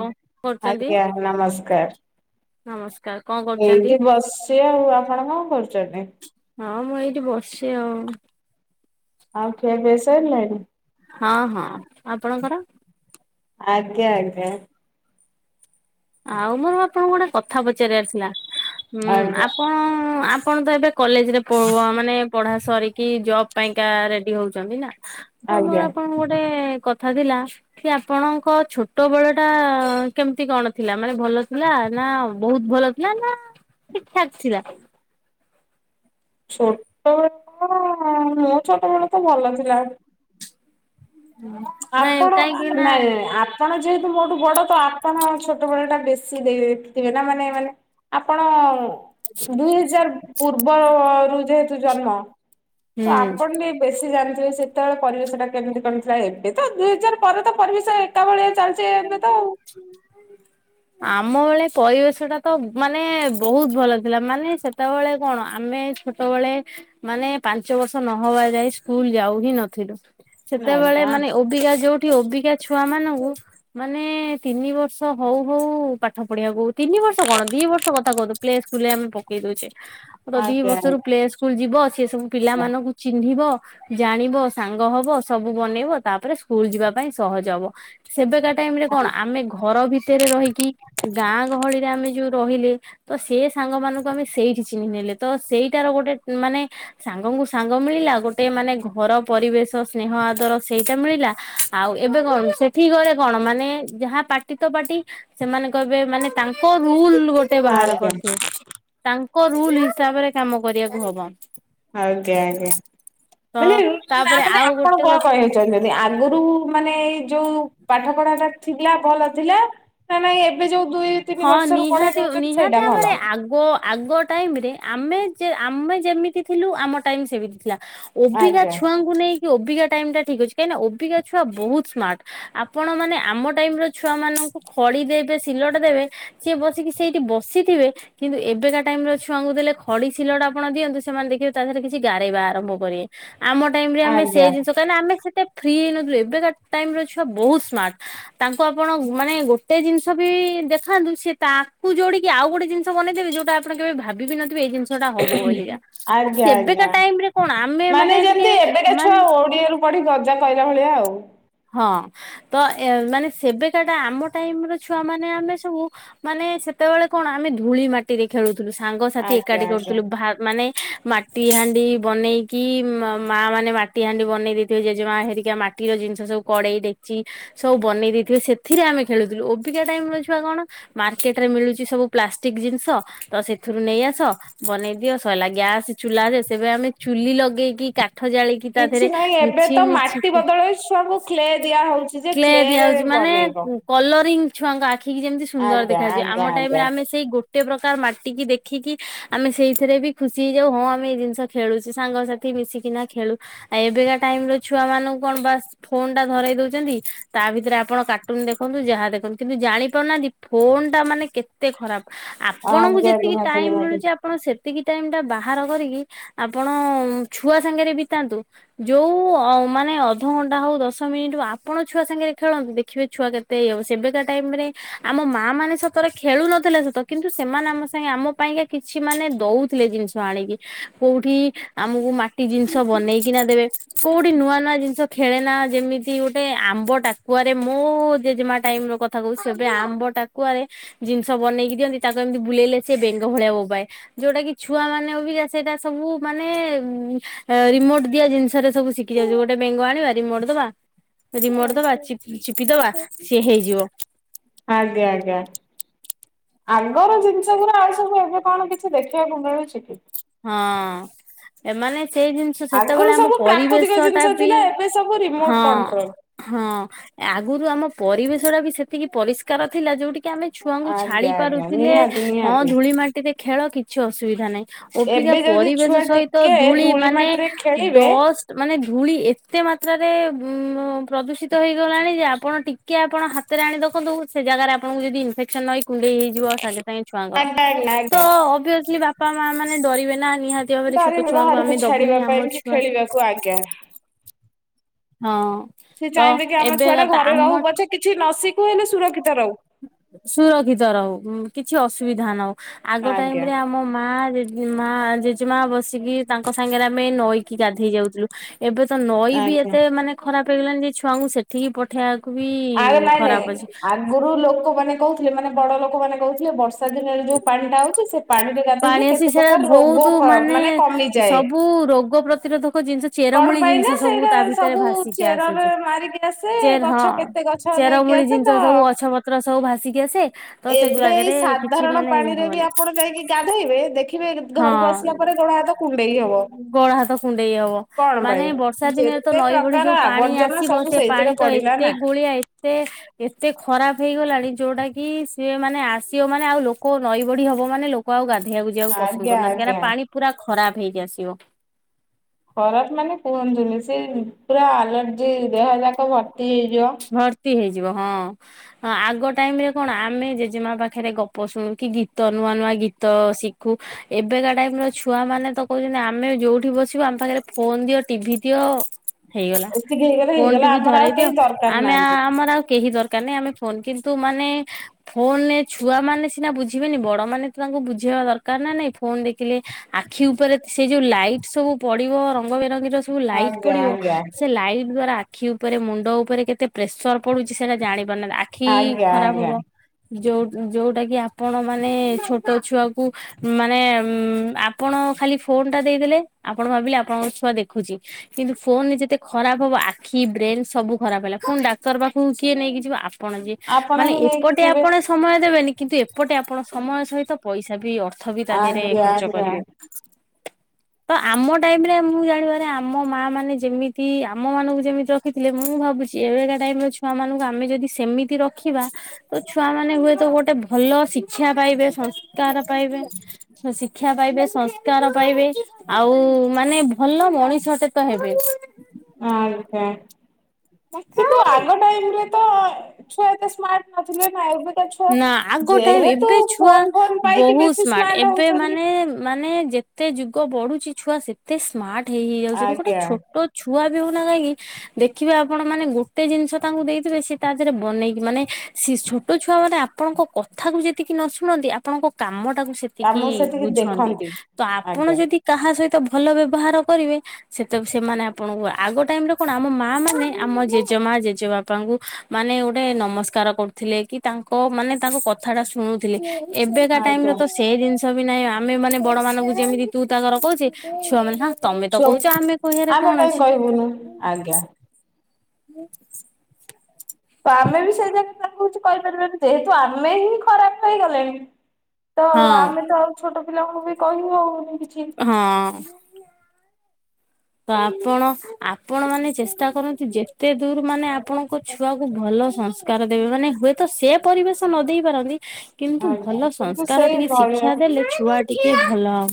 କଣ କରୁଛନ୍ତି? ଆଜ୍ଞା ନମସ୍କାର। ନମସ୍କାର। କଣ କରୁଛନ୍ତି? ଏଇଠି ବସିଚି ଆଉ ଆପଣ କଣ କରୁଛନ୍ତି? ହଁ ମୁଁ ଏଇଠି ବସିଚି ଆଉ। ଆଉ ଖିଆପିଆ ସରିଲାଣି। ହଁ ହଁ ଆପଣଙ୍କର? ଆଜ୍ଞା ଆଜ୍ଞା। ଆଉ ମୋର ଆପଣଙ୍କୁ ଗୋଟେ କଥା ପଚାରିବାର ଥିଲା ଉଁ ଆଜ୍ଞା ଆପଣ ଆପଣ ତ ଏବେ କଲେଜ ରେ ମାନେ ପଢା ସରିକି ଜବ ପାଇଁକା ରେଡି ହଉଛନ୍ତି ନା। ତମୋର ଆଜ୍ଞା। ଆପଣଙ୍କୁ ଗୋଟେ କଥା ଥିଲା କି ଆପଣଙ୍କ ଛୋଟ ବେଳ ଟା କେମିତି କଣ ଥିଲା ମାନେ ଭଲ ଥିଲା ନା ବହୁତ ଭଲ ଥିଲା ନା ଠିକ ଠାକ୍ ଥିଲା। ଛୋଟବେଳ ମୋ ଛୋଟବେଳ ତ ଭଲ ଥିଲା। ଆପଣ କାହିଁକି ନାଇଁ ନା ନାଇଁ ଆପଣ ଯେହେତୁ ମୋଠୁ ବଡ ତ ଆପଣ ଛୋଟ ବେଳ ଟା ବେଶୀ ଦେଇ ଦେଖୀଥିବେ ନା ମାନେ ମାନେ। ଆପଣ ଦୁଇ ହଜାର ପୂର୍ବ ରୁ ଯେହେତୁ ଜନ୍ମ। ତ ହୁଁ ଆପଣ ଟିକେ ବେଶୀ ଜାଣିଥିବେ ସେତେବେଳେ ପରିବେଶ ଟା କେମିତି କଣ ଥିଲା ଏବେ ଏ ତ ଦୁଇ ହଜାର ପରେ ତ ପରିବେଶ ଏକା ଭଳିଆ ଚାଲିଛି ଏବେ ତ ଆଉ। ଆମ ବେଳେ। ପରିବେଶଟା ତ ମାନେ ବହୁତ ଭଲ ଥିଲା ମାନେ ସେତେବେଳେ କଣ ଆମେ ଛୋଟବେଳେ ମାନେ ପାଞ୍ଚ ବର୍ଷ ନହବା ଯାଇ ସ୍କୁଲ ଯାଉ ହିଁ ନଥିଲୁ। ସେତେବେଳେ ଆଜ୍ଞା ମାନେ ଓବିକା ଯୋଉଠି ଓବିକା ଛୁଆ ମାନଙ୍କୁ। ମାନେ ତିନି ବର୍ଷ ହଉ ହଉ ପାଠ ପଢିବାକୁ ତିନି ବର୍ଷ କଣ ଦି ବର୍ଷ କଥା କହୁଚୁ ପ୍ଲେ ସ୍କୁଲରେ ଆମେ ପକେଇ ଦଉଚେ ତ ଦି ଆଜ୍ଞା ଆଜ୍ଞା ବର୍ଷରୁ ପ୍ଲେ ସ୍କୁଲ ଯିବ ସେ ସବୁ ପିଲାମାନଙ୍କୁ ଚିହ୍ନିବ। ଜାଣିବ ସାଙ୍ଗ ହବ ସବୁ ବନେଇବ ତାପରେ ସ୍କୁଲ ଯିବା ପାଇଁ ସହଜ ହବ ସେବେକା ଟାଇମରେ କଣ ଆମେ ଘର ଭିତରେ ରହିକି ଗାଁ ଗହଳିରେ ଆମେ ଯୋଉ ରହିଲେ ତ ସେ ସାଙ୍ଗ ମାନଙ୍କୁ ଆମେ ସେଇଠି ଚିହ୍ନି ନେଲେ ତ ସେଇଟାର ଗୋଟେ ମାନେ ସାଙ୍ଗ ସାଙ୍ଗ ମିଳିଲା ଗୋଟେ ମାନେ ଘର ପରିବେଶ ସ୍ନେହଁ ଆଦର ସେଇଟା ମିଳିଲା ଆଉ ଏବେ କଣ ସେଠି ଗଲେ କଣ ମାନେ ଯାହା ପାଟି ତ ପାଟି ସେମାନେ କହିବେ ମାନେ ତାଙ୍କ ରୁଲ ଗୋଟେ ବାହାର ଆଜ୍ଞା ଆଜ୍ଞା କରିଥିବେ ତାଙ୍କ ରୁଲ ହିସାବରେ କାମ କରିବାକୁ ହବ। ଆଜ୍ଞା ଆଜ୍ଞା। ତ ମାନେ ନା ମାନେ ତାପରେ ଆପଣ ଆଉ କଣ ଗୋଟେ କଥା କହିବାକୁ ଚାହୁଁଛନ୍ତି ଆଗରୁ ମାନେ ଯୋଉ ପାଠ ପଢା ଟା ଥିଲା ଭଲ ଥିଲା ନା ନାଇଁ ଏବେ ଯୋଉ ଦୁଇ ତିନି ହଁ ବର୍ଷରୁ ପଢେଇ ନିହାତି ଦଉଛନ୍ତି ସେଇଟା ନିହାତି ଭଲ ଭାବରେ ଆଗ ଆଗ ଟାଇମରେ ଆମେ ଯେ ଆମେ ଯେମିତି ଥିଲୁ ଆମ ଟାଇମ ସେମିତି ଥିଲା ଓବିକା ଆଜ୍ଞା ଛୁଆଙ୍କୁ ନେଇକି ଓବିକା ଟାଇମ ଟା ଠିକ୍ ଅଛି। କାହିଁକି ନା ଓବିକା ଛୁଆ ବହୁତ ସ୍ମାର୍ଟ ଆପଣ ମାନେ ଆମ ଟାଇମ ର ଛୁଆ ମାନଙ୍କୁ ଖ ଡି ଦେବେ ସିଲଟ ଦେବେ ସିଏ ବସିକି ସେଇଠି ବସିଥିବେ କିନ୍ତୁ ଏବେକା ଟାଇମ ର ଛୁଆଙ୍କୁ ଦେଲେ ଖଡି ସିଲଟ ଆପଣ ଦିଅନ୍ତୁ ସେ ସେମାନେ ଦେଖିବେ ତା ଦେହରେ କିଛି ଗାରେଇବା ଆରମ୍ଭ କରିବେ ଆମ ଟାଇମ ରେ ଆମେ ସେ ଆଜ୍ଞା ଆଜ୍ଞା ଜିନିଷ କାହିଁକି ଆମେ ସେ ଫ୍ରି ହେଇ ନଥିଲୁ ଏବେକା ଟାଇମ ର ଛୁଆ ବହୁତ ସ୍ମାର୍ଟ ତାଙ୍କୁ ଆପଣ ମାନେ ଗୋଟେ ଜିନିଷ ବି ଦେଖ ଦେଖନ୍ତୁ ସେ ତାକୁ ଯୋଡିକି ଆଉ ଗୋଟେ ଜିନିଷ ବନେଇେ ଦେବେ ଯଉଟା ଆପଣ କେବେ ଭାବି ବି ନଥିବେ ଏଇ ଜିନିଷଟା ହବ ବୋଲିକା। ସେବେକା ଆଜ୍ଞା ଟାଇମରେ କଣ ଆମେ ମାନେ ଟିକେ ମା ପଡ଼ି ଗଜା କହିଲା ଭଳିଆ ଆଉ। ହଁ, ତ ଏ ମାନେ ସେବେକାଟା ଆମ ଟାଇମ ର ଛୁଆ ମାନେ ଆମେ ସବୁ ମାନେ ସେତେବେଳେ କଣ ଆମେ ଧୂଳି ମାଟିରେ ଖେଳୁଥିଲୁ। ସାଙ୍ଗସାଥି ଆଜ୍ଞା ଏକାଠି ଆଜ୍ଞା କରୁଥିଲୁ ମାନେ ମାଟି ହାଣ୍ଡି ବନେଇକି ମା ମାନେ ମାଟି ହାଣ୍ଡି ବନେଇ ଦେଇଥିବେ। ଜେଜେମା ହେରିକା ମାଟି ଟିର ଜିନିଷ ସବୁ କଡେଇ, ଡେକଚି ସବୁ ବନେଇ ଦେଇଥିବେ ସେଥିରେ ଆମେ ଖେଳୁଥିଲୁ। ଅବିକା ଟାଇମ ର ଛୁଆ କଣ ମାର୍କେଟ ରେ ମିଳୁଛି ସବୁ ପ୍ଲାଷ୍ଟିକ ଜିନିଷ ତ ସେଥିରୁ ନେଇ ଆସ ବନେଇ ଦିଅ ସାଇଲା। ଗ୍ୟାସ୍ ଚୁଲା ସେବେ ଆମେ ଚୁଲି ଲଗେଇକି କାଠ ଜାଳିକି ତା କିଛି ଦେହରେ ନାହିଁ ଏବେ ମିଛିି ତ ମାଟି ମିଛିକା ବଦଳରେ ଛୁଆଙ୍କୁ କ୍ଲେ ଦିଆ ହଉଛି ଯେ କ୍ଲେ ରେ ଦିଆହଉଛି ମାନେ ବନେଇବ କଲ କଲରିଂ ଛୁଆଙ୍କ ଆଖି କି ଯେମିତି ସୁନ୍ଦର ଆଜ୍ଞା ଦେଖାଯିବ। ଆଜ୍ଞା ଆମ ଟାଇମରେ ଆଜ୍ଞା ଆମେ ସେଇ ଗୋ ଗୋଟେ ପ୍ରକାର ମାଟିକି ଦେଖିକି ଆମେ ସେଇଥିରେ ବି ଖୁସି ହେଇଯାଉ ହଁ ଆମେ ଏଇ ଜିନିଷ ଖେଳୁଛୁ। ସାଙ୍ଗସାଥି ମିଶିକିନା ଖେଳୁ। ଆ ଏବେକା ଟାଇମର ଛୁଆମାନଙ୍କୁ କଣ ବାସ ଫୋନ ଟା ଧରାଇ ଦଉଛନ୍ତି ତା ଭିତରେ ଆପଣ କାର୍ଟୁନ ଦେଖନ୍ତୁ ଯାହା ଦେଖନ୍ତୁ। କିନ୍ତୁ, ଜାଣି ପାରୁନାହାନ୍ତି ଫୋନ ଫୋନ ଟା ମାନେ କେତେ ଖରାପ। ଆପଣଙ୍କୁ ଆଜ୍ଞା ଯେତିକି ନିହାତି ଟାଇମ ନିହାତି ମିଳୁଚି ଆପଣ ସେତିକି ଟାଇମ ଟା ବାହାର କରିକି ଆପଣ ଛୁଆ ସାଙ୍ଗରେ ବିତାନ୍ତୁ। ଯୋଉ ମାନେ ଅଧଘଣ୍ଟା ହଉ ଦଶ ମିନିଟ ହଉ ଆପଣ ଛୁଆ ସାଙ୍ଗରେ ଖେଳନ୍ତୁ, ଦେଖିବେ ଛୁଆ କେତେ ଇଏ ହେବ। ସେବେକା ଟାଇମ ରେ ଆମ ମା ଆମେମାନେ ଶାଥିରେ ଖେଳୁନଥିଲେ ସତ କିନ୍ତୁ, ସେମାନେ ଆମ ସାଙ୍ଗେ ଆମ ପାଇଁକା କିଛି ମାନେ ଦେଉଥିଲେ ଜିନିଷ ଆଣିକି କୋଉଠି ଆମକୁ ମାଟି ଜିନିଷ ବନେଇକିନା ଦେବେ, କୋଉଠି ନୂଆ ନୂଆ ଜିନିଷ ଖେଳେନା ଯେମିତି ଗୋଟେ ଆମ୍ବ ଟାକୁଆରେ ମୋ ଜେଜେମା ଟାଇମର କଥା କହୁଛି। ସେବେ ଆମ୍ବ ଟାକୁଆରେ ଜିନିଷ ବନେଇକି ଦିଅନ୍ତି। ତାକୁ ଏମିତି ବୁଲେଇଲେ ସେ ବେଙ୍ଗ ଭଳିଆ ବୋବାଏ। ଯୋଉଟା କିି ଛୁଆମାନେ ଅବିକା ସେଇଟା ସବୁ ମାନେ ରିମୋଟ ଦିଆ ଜିନିଷରେ ସବୁ ଶିଖି ଯାଉଛି। ଗୋଟେ ବେଙ୍ଗ ଦବା ରିମଟ ଦବା ରିମଟ ଦବା ଚିପି ଦବା ସିଏ ହେଇଯିବ। ଆଜ୍ଞା ଆଜ୍ଞା। ଆଗର ଜିନିଷ ଗୁରା ଆଉ ସବୁ ଏବେ କଣ କିଛି ଦେଖିବାକୁ ମିଳୁଛି କି? ହଁ ଏମାନେ ସେଇ ଜିନିଷ ସେତେବେଳେ ଆଗରୁ ଆମ ସବୁ ପ୍ରାକୃତିକ ପରିବେଶଟା ଜିନିଷ ବି ଥିଲା ଏବେ ସବୁ ରିମୋଟ କଣ୍ଟ୍ରୋଲ। ହଁ-ହଁ। ଆଗରୁ ଆମ ପରିବେଶ [unintelligible] ବି ସେତିକି ପରିଷ୍କାର ଥିଲା ଯୋଉଠିକିି ଆମେ ଛୁଆଙ୍କୁ ଛାଡି ଆଜ୍ଞା ଆଜ୍ଞା ପାରୁଥିଲେ। ନିହାତି ହଁ ନିହାତି ଧୂଳି ମାଟିରେ ଖେଳ କିଛି ଅସୁବିଧା ନାହିଁ। ଅଭିକା ଏବେ ଯଦି ପରିବେଶ ଛୁଆ ସହିତ ଟିକେ ଧୂଳି ମାନେ ମାଟିରେ ଖେଳିବେ ଡଷ୍ଟ ମାନେ ଧୂଳି ଏତେ ମାତ୍ରାରେ [unintelligible] ପ୍ରଦୂଷିତ ହେଇଗଲାଣି ଯେ ଆପଣ ଟିକେ ଆପଣ ହାତରେ ଆଣି ଦେଖନ୍ତୁ ସେ ଜାଗାରେ ଆପଣଙ୍କୁ ଯଦି ଇନଫେକ୍ସନ୍ ନ ହେଇ କୁଣ୍ଡେଇ ହେଇଯିବ ସାଙ୍ଗେ ଛୁଆଙ୍କର ଆଜ୍ଞା ଆଜ୍ଞା ତ ଆଜ୍ଞା ଅଭିଅସଲି ବାପା, ମା ମାନେ ଡରିବେ ନା ନିହାତି ଭାବରେ ଛୋଟ ଧରିବେ ଛୁଆଙ୍କୁ ବାହାରକୁ ଆମେ ଛାଡିବା ଦବୁନି ପାଇଁ ଆମ କି ଛୁଆ ଖେଳିବାକୁ ଆଜ୍ଞା। ହଁ, ସେ ତ ଚାହିଁବେ କି ଆମ ଏବେ ଛୁଆ ଟା କଥା ଘରେ ରହୁ ଆମ ପଛେ କିଛି ନ ଶିଖୁ ହେଲେ ସୁରକ୍ଷିତ ରହୁ। ସୁରକ୍ଷିତ ରହୁ। କିଛି ଅସୁବିଧା ନହଉ। ଆଗ ଟାଇମ ଆଜ୍ଞା ରେ ଆମ ମା-ମା ଜେଜେମା ବସିକି ତାଙ୍କ ସାଙ୍ଗରେ ଆମେ ନଈକି ଗାଧେଇ ଯାଉଥିଲୁ। ଏବେ ତ ନଈ ବି ଆଜ୍ଞା ଏତେ ମାନେ ଖରାପ ହେଇଗଲାଣି ଯେ ଛୁଆଙ୍କୁ ସେଠିକି ପଠେଇବା କୁ ବି ଆରେ ନାଇଁ ନାଇଁ। ଖରାପ ଅଛି ଆଗରୁ ଲୋକମାନେ କହୁଥିଲେ ମାନେ ବଡ ଲୋକ ମାନେ କହୁଥିଲେ ବର୍ଷା ଦିନରେ ଯୋଉ ପାଣି ଟା ଆଉଛି ସେ ପାଣିରେ ପାଣି ଗାଧେଇଲେ ଆସି କେତେ ସେଟା ପ୍ରକାର ରୋଗ ବହୁତ ମାନେ କମିଯାଏ। ସବୁ ରୋଗ ପ୍ରତିରୋଧକ ଜିନିଷ କଣ ଚେରମୂଳି ପାଇଁ ଜିନିଷ ନା ସବୁ ସେଇଟା ତା ଭିତରେ ସବୁ ଭାସିକି ଚେରରେ ଆସୁଛି ମାରିକି ଆସେ ଚେର ଗଛ ହଁ, କେତେ ଗଛ ନେଇକି ଚେରମୁଳି ଆସେ ତ ଜିନିଷ ସବୁ ଗଛ ପତ୍ର ସବୁ ଭାସିକି ଆସେ ତ ଏବେ ଏଇ ସେଗୁରାଗରେ ସାଧାରଣ ପାଣିରେ ବି ଆପଣ ଯାଇକି ଗାଧେଇବେ ଦେଖିବେ ଘରକୁ ଆସିବା ପରେ ଗୋଡା ହାତ କୁଣ୍ଡେଇ ହବ। ଗୋଡ଼ ହାତ କୁଣ୍ଡେଇ ହବ। କଣ ମାନେ ପାଇଁ? ବର୍ଷା ଦିନରେ ତ ଯେତେ ନଈ ବଢ଼ି ପ୍ରକାର ଯୋଉ ପାଣି ଆବର୍ଜନା ଆସିବ ସବୁ ସେ ପାଣି ସେଇଥିରେ ତ ପଡିଲା ଏତେ ନା ଗୋଳିଆ। ଏତେ ଏତେ ଖରାପ ହେଇଗଲାଣି ଯୋଉଟା କି ସିଏ ମାନେ ଆସିବ ମାନେ ମାନେ ଆଉ ଲୋକ ନଈ ବଢି ହବ ମାନେ ଲୋକ ଆଉ ଗାଧୋଇବାକୁ ଯିବାକୁ ପସନ୍ଦ ଆଜ୍ଞା କରୁନାହାନ୍ତି। କାହିଁକନା ଆଜ୍ଞା। ପାଣି ପୁରା ଖରାପ ହେଇକି ଆସୁ ଇବ ଖରାପ ମାନେ କୁହନ୍ତୁନି ସେ ପୁରା ଆଲର୍ଜି ଦେହ ଯାକ ଭ ତି ହେଇଯିବ। ଭର୍ତ୍ତି ହେଇଯିବ ହଁ ଆଗ ଟାଇମ ରେ କଣ ଆମେ ଜେଜେମା ପାଖରେ ଗପ ଶୁଣୁ କି ଗୀତ ନୂଆ ନୂଆ ଗୀତ ଶିଖୁ ଏବେକା ଟାଇମ ର ଛୁଆ ମାନେ ତ କହୁଛନ୍ତି ଆମେ ଯୋଉଠି ବସିବୁ ଆମ ପାଖରେ ଫୋ ଫନ ଦିଅ ଟିଭି ଦିଅ ହେଇଗଲା ଏତିକି ହେଇଗଲେ ଫୋନ ହେଇଗଲା ଟିଭି ଆମର ଆଉ ଧରେଇ ଦିଅ କେହି ଦରକାର ଆମେ ନାହାନ୍ତି ଆମର ଆଉ କେହି ଦରକାର ନାହିଁ ଆମେ ଫୋନ କିନ୍ତୁ ମାନେ ଫୋନରେ ଛୁଆମାନେ ସିନା ବୁଝିବେନି ବଡ ମାନେ ତ ତାଙ୍କୁ ବୁଝେଇବା ଦରକାର ନା ନାଇଁ ଫୋନ ଦେଖିଲେ ଆଖି କ୍ଷି ଉପରେ ସେ ଯୋଉ ଲାଇଟ୍ ସବୁ ପଡିବ ରଙ୍ଗବେରଙ୍ଗି ଯୋଉ ସବୁ ଲାଇଟ୍ ଆଜ୍ଞା ପଡିବ ଆଜ୍ଞା। ସେ ଲାଇଟ୍ ଦ୍ଵାରା ଆଖି ଉପରେ ମୁଣ୍ଡ ଉପରେ କେ କେତେ ପ୍ରେସର ପଡୁଛି ସେଟା ଜାଣିପାରୁନାନ୍ତି ନ ଆଖି ଆଜ୍ଞା ଖରାପ ଆଜ୍ଞା ହବ ଯୋଉ ଯୋଉଟା କିି ଆପଣ ମାନେ ଛୋଟ ଛୁଆକୁ ମାନେ ଆପଣ ଖାଲି ଫୋନ ଟା ଦେଇଦଲେ ଆପଣ ଭାବିଲେ ଆପଣଙ୍କ ଛୁଆ ଦେଖୁଛି କିନ୍ତୁ ଫୋନ ଯେତେ ଖରାପ ହେବ ଆଖି କି ବ୍ରେନ ସବୁ ଖରାପ ହେଲା ପୁଣି ଡାକ୍ତର ପାଖକୁ କିଏ ନେଇକି ଯିବ ଆପଣ ଯିଏ ଆପଣ ମାନେ ହିଁ ନେଇକି ଏପଟେ ଯିବେ ଆପଣ ସମୟ ଦେବେନି କିନ୍ତୁ ଏପଟେ ଆପଣ ସମୟ ସହିତ ପଇସା ବି ଅର୍ଥ ବି ତା ଦେହରେ ଆଜ୍ଞା ଖର୍ଚ୍ଚ ଆଜ୍ଞା। କରିବେ। [inaudible] ତ ଆମ ଟାଇମ ରେ ମୁଁ ଜାଣିବାରେ ଆମ ମା ମାନେ ଯେମିତି ଆମ ମାନଙ୍କୁ ଯେମିତି ରଖିଥିଲେ ମୁଁ ଭାବୁଛି ଚି ଏବେକ ଟାଇମିରେ ଛୁଆମାନଙ୍କୁ ଆମେ ଯଦି ସେମିତି ରଖିବା ତ ଛୁଆ ହୁଏତ ଗୋଟେ ଭଲ ଶି ଶିକ୍ଷା ପାଇବେ ସଂସ୍କାର ପାଇବେ ଶିକ୍ଷା ପାଇବେ ସଂସ୍କାର ପାଇବେ ଆଉ ମାନେ ଭଲ ମଣିଷଟେ ତ ହେବେ। ଆଛା କିନ୍ତୁ ଆଗ ଟାଇମି ରେ ତ ଛୁଆ ଏତେ ସ୍ମାର୍ଟ ନଥିଲେ ନା ଏବେ ନା ଆଗ ଟାଇମ ଏବେ ଛୁଆ ଫୋନ ପାଇକି ବହୁତ ବେଶୀ ସ୍ମାର୍ଟ ଏବେ ହଉଛନ୍ତି ମାନେ ମାନେ ଯେତେ ଯୁଗ ବଢୁଛି ଛୁଆ ସେତେ ସ୍ମାର୍ଟ ହେଇ ହେଇ ଯାଉଛନ୍ତି ଗୋଟେ ଆଜ୍ଞା। ଛୋଟ ଛୁଆ ଦେଖୁଁ ନା କାହିକି ଦେଖିବେ ଆପଣ ମାନେ ଗୋଟେ ଜିନିଷ ତାଙ୍କୁ ଦେଇେ ସ ତା ଦେହରେ ବାନେଇକି ମାନେ ସେ ଛୋଟ ଛୁଆ ମାନେ ଆପଣଙ୍କ କଥା କୁ ଯେତିକି ନ ଶୁଣନ୍ତି ଆପଣଙ୍କ କାମ ତାକୁ ସେତିକି ଆମକୁ ସେତିକି ବୁଝନ୍ତି ଦେଖନ୍ତି ତ ଆପଣ ଆଜ୍ଞା ଯଦି କାହା ସହିତ ତ ଭଲ ବ୍ୟବହାର କରିବେ ସେତେ ସେମାନେ ଆପଣଙ୍କୁ ଆଗ ଟାଇମ ରେ କଣ ଆମ ମା ମାନେ ଆମ ଜେ ଜେଜେମା ଜେଜେ ବାପାଙ୍କୁ ମାନେ ଗୋଟେ ନମସ୍କାର କରୁଥିଲେ କି ତାଙ୍କ ମାନେ ତାଙ୍କ କଥାଟା ଶୁଣୁଥିଲି ଏବେକା ଟାଇମିରେ ଆଜ୍ଞା ତ ସେ ଜିନିଷ ବି ନାହିଁ। ଆମେ ମାନେ ବଡ ମାନଙ୍କୁ ଯେମିତି ତୁ ତା ଘର କହୁଛେ ଛୁଆ ମାନେ ହା ତମେ ତ ଛୁଆ କହୁଛ ଆମେ କହିବାରେ ଆମେ କଣ କାହିଁ ଅଛି? କହିବୁନୁ ଆଜ୍ଞା। ହୁଁ। ତ ଆମେ ବି ସେଇ ଜାଗା ତାଙ୍କୁ କିଛି କହିପାରିବାନି ଯେହେତୁ ଆମେ ହିଁ ଖରାପ ହେଇଗଲେଣି ତ ହଁ ଆମେ ତ ଆଉ ଛୋଟ ପିଲାଙ୍କୁ ବି କହି ହଉନି। କିଛି। ହଁ। ତ ଆପଣ ଆପଣ ମାନେ ଚେଷ୍ଟା କରନ୍ତିୁ ଯେତେ ଦୂର ମାନେ ଆପଣଙ୍କ ଛୁଆକୁ ଭଲ ଭଲ ସଂସ୍କାର ଦେବେ ମାନେ ହୁଏତ ସେ ପରିବେଶ ନ ଦେଇେଇ ପାରନ୍ତି। କିନ୍ତୁ ଭଲ ଆଜ୍ଞା କିନ୍ତୁ ସଂସ୍କାର ସେଇ ଟିକେ ଶିକ୍ଷା ଭଳିଆ ଦେଲେ ଛୁଆ ଟିକେ ଭଲ ହବ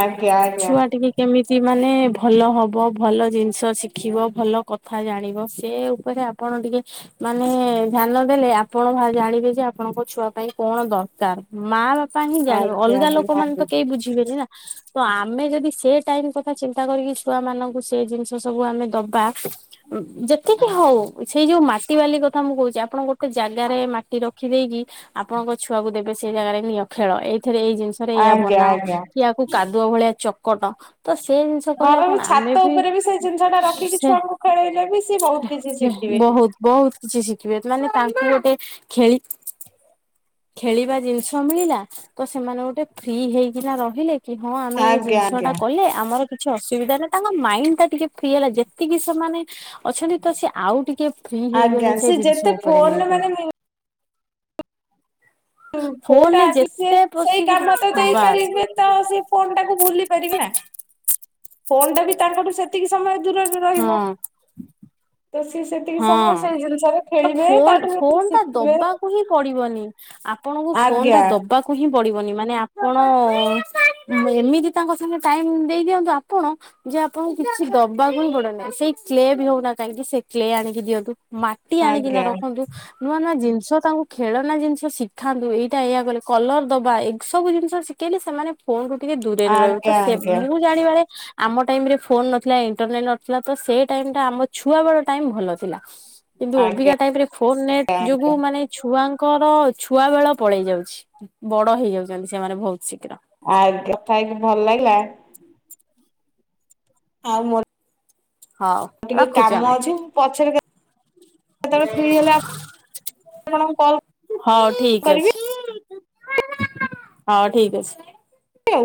ଆଜ୍ଞା ଆଜ୍ଞା। ଛୁଆ ଟିକେ କେମିତି ମାନେ ଭଲ ହବ ଭଲ ଜିନିଷ ଶିଖିବ ଭଲ କଥା ଜାଣିବ ସେ ଉପରେ ଆପଣ ଟିକେ ମାନେ ଧ୍ୟାନ ଦେଲେ ଆପଣ ଜାଣିବେ ଯେ ଆପଣଙ୍କ ଛୁଆ ପାଇଁ କଣ ଦରକାର ମା ବାପା ପାଇଁ ହିଁ ଜାଣିବ ଆଜ୍ଞା ଅଲଗା ଲୋକ ମାନେ ତ ନିହାତି କେହି ବୁଝିବେନି ନା ତ ଆମେ ଯଦି ସେ ଟାଇମ କଥା କରିକି ଛୁଆ ମାନଙ୍କୁ ସେ ଜିନିଷ ସବୁ ଆମେ ଦବା ଯେତିକି ହଉ ସେଇ ଯୋଉ ମାଟି ବାଲି କଥା ମୁଁ କହୁଛି ଆପଣ ଗୋଟେ ଜାଗାରେ ମାଟି ରଖିଦେଇକି ଆପଣଙ୍କ ଛୁଆକୁ ଦେବେ ସେଇ ଜାଗାରେ ନିଅଖେଳ ଏଇଥିରେ ଏଇ ଜିନିଷରେ ଇଆ ଆଜ୍ଞା ବନାଅ ଆଜ୍ଞା। କିୟକୁ କାଦ ଭଳିଆ ଚକଟ ତ ସେ ଜିନିଷ କଲେ ଘରର କଣ ଆମେ ଛାତ ବି ଉପରେ ସେଇ ଜିନିଷ ଟା ରଖିକି ସେ ଛୁଆଙ୍କୁ ଖେଳେଇଲେ ବି ସିଏ ବହୁତ କିଛି ଶିଖିବେ। ବହୁତ ବହୁତ କିଛି ଶିଖିବେ ମାନେ ତାଙ୍କୁ ଗୋଟେ ଖେଳି ଖେଳିବା ଜିନିଷ ମିଳିଲା ତ ସେମାନେ ଗୋଟେ ଫ୍ରି ହେଇକିନା ରହିଲେ କି ହଁ ଆମେ ଏ ଆଜ୍ଞା ଜିନିଷ ଟା ଆଜ୍ଞା କଲେ ଆମର କିଛି ଅସୁବିଧା ନା ତାଙ୍କ ମାଇଣ୍ଡ ଟା ଟିକେ ଫ୍ରି ହେଲା ଯେତିକି ସେମାନେ ଅଛନ୍ତି ତ ସେ ଆଉ ଟିକେ ଫ୍ରି ଆଜ୍ଞା ହେଇଗଲେ ସେ ଯେତେ ଜିନିଷ ଉପରେ ଫୋନରେ ନେଇକି ମାନେ ଫୋନଟା ସେ ଯେତେ ସେଇ ପଶିକି କାମ ତ ହଁ ବାସ୍ ଦେଇପାରିବେ ତ ସେ ଫୋନ ଟାକୁ ଭୁଲି ନା ପଣ୍ଡ ବି ତାଙ୍କଠୁ ସେତିକି ସମୟ ଦୂରରେ ହଁ ରହିବ ତ ସିଏ ସେତିକି ସମୟ ହଁ ସେଇ ଜିନିଷରେ ତ ଖେଳିବେ ଫୋନ୍ ତାଠୁ ଯେତିକି ଫୋନ୍ ଟା ଶିଖିବେ ଦବାକୁ ହିଁ ପଡିବନି। ଆପଣଙ୍କୁ ଫୋନ ଆଜ୍ଞା ଟା ଦବାକୁ ହିଁ ପଡିବନି ମାନେ ଆପଣ ଏମିତି ତାଙ୍କ ସାଙ୍ଗେ ଟାଇମ ଦେଇ ଦିଅନ୍ତୁ, ଆପଣ ଯେ ଆପଣଙ୍କୁ କିଛି ଦବାକୁ ହିଁ ପଡେ ନାହିଁ ସେଇ କ୍ଳେ ବି ହଉନା କାହିଁକି ସେ କ୍ଳେ ଆଣିକି ଦିଅନ୍ତୁ, ମାଟି ଆଣିକିନା ଆଜ୍ଞା ରଖନ୍ତୁ ନୂଆ ନୂଆ ଜିନିଷ ଜିନଷ ତାଙ୍କୁ ଖେଳନା ଜିନିଷ ଶିଖାନ୍ତୁ ଏଇଟା ଏଇଆ କଲେ କଲର ଦବା ଏସବୁ ଜିନିଷ ଶିଖେଇଲେ ସେମାନେ ଫୋନ ରୁ ଟିକେ ଦୂରରେ ରହିବ ତ ଆଜ୍ଞା ସେ ଆଜ୍ଞା ମୁଁ ଜାଣିବାରେ ଆମ ଟାଇମ ରେ ଫୋନ ନଥିଲା ଇଣ୍ଟରନେଟ ନଥିଲା, ତ ସେ ଟାଇମ ଟା ଆମ ଛୁଆ ବଳ ଟାଇମ ଭଲ ଥିଲା କିନ୍ତୁ ଅବିକା ଆଜ୍ଞା ଟାଇପ ରେ ଫୋନ ନେଟ୍ ଯୋଗୁ ଆଜ୍ଞା ମାନେ ଛୁଆଙ୍କ ତାଙ୍କର ଛୁଆ ବେଳ ପଳେଇ ଯାଉଛି ବଡ ହେଇ ଯାଉଛନ୍ତି ସେମାନେ ବହୁତ ଶୀଘ୍ର ଆ କଥା ହେଇକି ଭଲ ଲାଗିଲା ଆଉ ମୋର ହଉ ଟିକେ ରଖୁଛୁ କାମ ଆମେ ଅଛି ମୁଁ ପଛରେ କେତେବେଳେ ଫ୍ରି ହେଲେ ଆପଣଙ୍କୁ କଲ୍ ହଉ ଠିକ କରିବି ଅଛି ହଉ ଠିକ ଅଛି। ଆଉ।